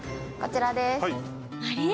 あれ？